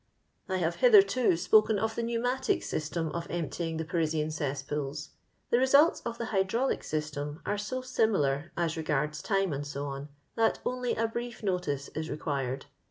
I have hitherto spoken of the Pneumaiic System of emptying the Parisian cesspools. The results of the Hydraulic System are so similar, as regards time, &c., that only a brief notice Is required.